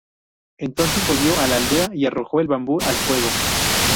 Entonces, volvió a la aldea y arrojó el bambú al fuego.